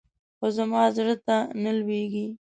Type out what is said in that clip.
خو زما زړه ته نه لوېږي.